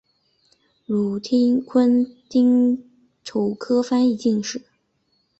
禄坤丁丑科翻译进士。